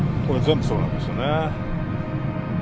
これ全部そうなんですよね。